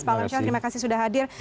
pak alam syah terima kasih sudah hadir